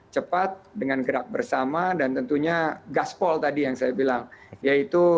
cepat dengan gerak bersama dan tentunya gaspol tadi yang saya bilang yaitu